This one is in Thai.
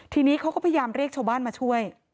ทีนี้เขาก็พยายามเรียกชาวบ้านมาช่วย